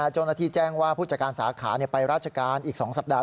แจ้งว่าผู้จัดการสาขาไปราชการอีก๒สัปดาห